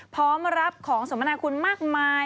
พร้อมรับของสมนาคุณมากมาย